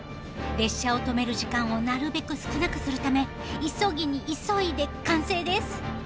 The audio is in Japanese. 列車を止める時間をなるべく少なくするため急ぎに急いで完成です。